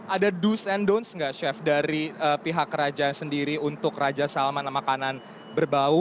ada do's and don'ts gak chef dari pihak raja sendiri untuk raja salman makanan berbau